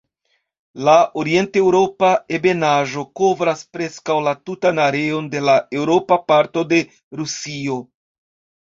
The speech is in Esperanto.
La orienteŭropa ebenaĵo kovras preskaŭ la tutan areon de la eŭropa parto de Rusio.